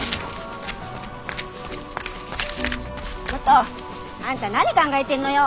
ちょっとあんた何考えてんのよ。